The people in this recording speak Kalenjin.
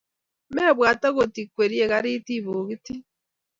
mepwat angot ikweri garit ipokiti